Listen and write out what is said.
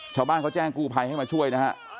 ชาวบ้านเขาแจ้งกู้ภัยให้มาช่วยนะฮะ